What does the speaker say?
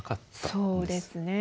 そうですね。